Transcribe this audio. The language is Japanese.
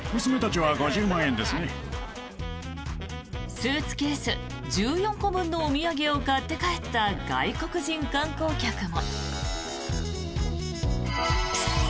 スーツケース１４個分のお土産を買って帰った外国人観光客も。